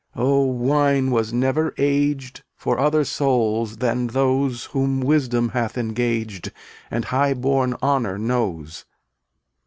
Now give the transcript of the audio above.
J Oh, wine was never aged For other souls than those Whom Wisdom hath engaged And high born honor knows.